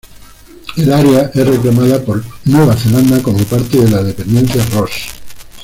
El área es reclamada por Nueva Zelanda como parte de la Dependencia Ross.